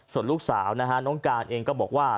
ส่วนลูกสาวนะฮะน้องการเองก็บอกว่า